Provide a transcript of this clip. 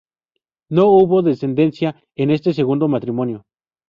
No hubo descendencia en este segundo matrimonio.